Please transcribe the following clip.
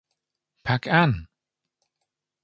Pack’ an!